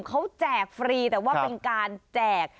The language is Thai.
เขาแจกฟรีแต่ว่าเป็นการแจก